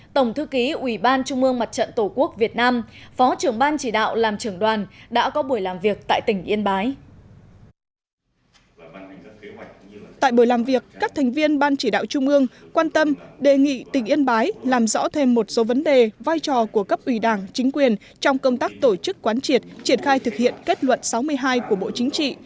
tại buổi làm việc các thành viên ban chỉ đạo trung mương quan tâm đề nghị tỉnh yên bái làm rõ thêm một số vấn đề vai trò của cấp ủy đảng chính quyền trong công tác tổ chức quán triệt triển khai thực hiện kết luận sáu mươi hai của bộ chính trị